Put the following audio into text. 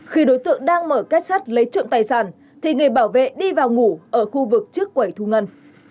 khi đối tượng đang mở kết sắt lấy trộm tài sản thì người bảo vệ đi vào ngủ ở khu vực trước quẩy thu ngân